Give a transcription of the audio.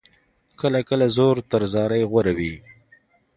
کله کله زور تر زارۍ غوره وي.